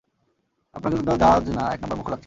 আপনাকে তো জাজ না এক নাম্বার মূর্খ লাগছে।